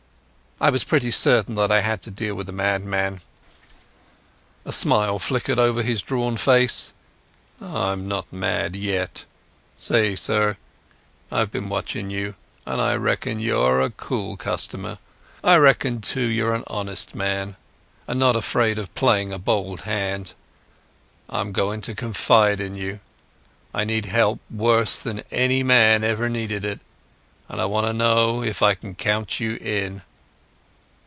I was pretty certain that I had to deal with a madman. A smile flickered over his drawn face. "I'm not mad—yet. Say, sir, I've been watching you, and I reckon you're a cool customer. I reckon, too, you're an honest man, and not afraid of playing a bold hand. I'm going to confide in you. I need help worse than any man ever needed it, and I want to know if I can count you in."